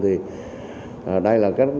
thì đây là cái